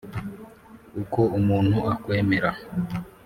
uko umuntu akwemera.